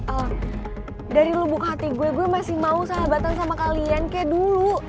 oh dari lubuk hati gue gue masih mau sahabatan sama kalian kayak dulu